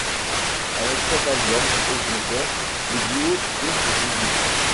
Avec sept albums au compteur, le duo trouve son public.